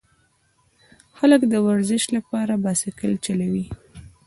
خلک د ورزش لپاره بایسکل چلوي.